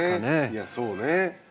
いやそうね。